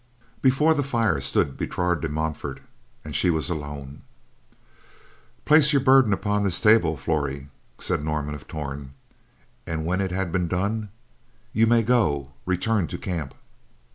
Before the fire stood Bertrade de Montfort, and she was alone. "Place your burden upon this table, Flory," said Norman of Torn. And when it had been done: "You may go. Return to camp."